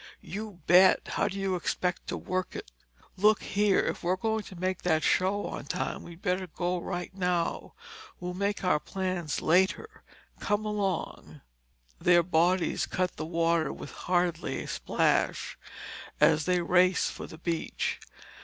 "You bet! How do you expect to work it?" "Look here, if we're going to make that show on time, we'd better go right now. We'll make our plans later. Come along." Their bodies cut the water with hardly a splash as they raced for the beach.